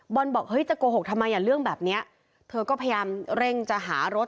บอกเฮ้ยจะโกหกทำไมอ่ะเรื่องแบบเนี้ยเธอก็พยายามเร่งจะหารถ